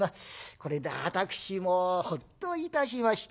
これで私もほっといたしました」。